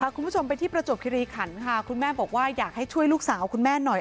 คุณผู้ชมไปที่ประจวบคิริขันค่ะคุณแม่บอกว่าอยากให้ช่วยลูกสาวคุณแม่หน่อย